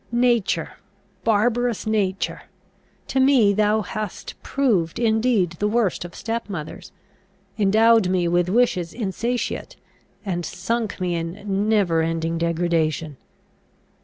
Nature, barbarous nature! to me thou hast proved indeed the worst of step mothers; endowed me with wishes insatiate, and sunk me in never ending degradation!"